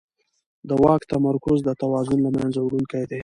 د واک تمرکز د توازن له منځه وړونکی دی